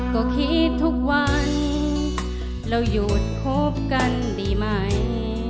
ก็คิดทุกวันเราหยุดคบกันดีไหม